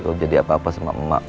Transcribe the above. kalau terjadi apa apa sama emak